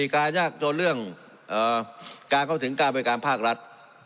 การยากจนเรื่องการเข้าถึงการบริการภาครัฐ